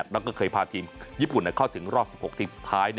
แล้วก็เคยพาทีมญี่ปุ่นเข้าถึงรอบ๑๖ทีมสุดท้าย